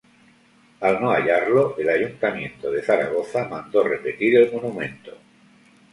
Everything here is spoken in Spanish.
Al no hallarlo, el Ayuntamiento de Zaragoza mandó repetir el monumento.